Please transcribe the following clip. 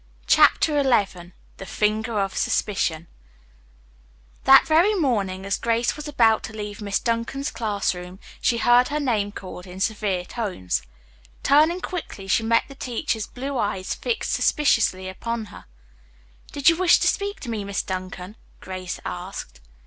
CHAPTER XI THE FINGER OF SUSPICION That very morning as Grace was about to leave Miss Duncan's class room she heard her name called in severe tones. Turning quickly, she met the teacher's blue eyes fixed suspiciously upon her. "Did you wish to speak to me, Miss Duncan?" Grace asked.